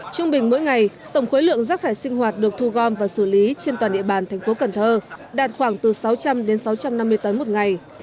trung bình mỗi ngày tổng khối lượng rác thải sinh hoạt được thu gom và xử lý trên toàn địa bàn thành phố cần thơ đạt khoảng từ sáu trăm linh đến sáu trăm năm mươi tấn một ngày